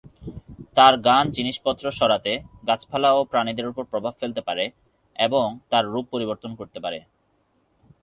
তার গান জিনিসপত্র সরাতে, গাছপালা ও প্রাণীদের ওপর প্রভাব ফেলতে পারে, এবং তার রূপ পরিবর্তন করতে পারে।